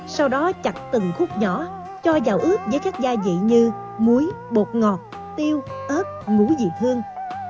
sau đó chặt từng khúc nhỏ cho vào ướp với các gia vị như muối bột ngọt tiêu ớt muối dị hương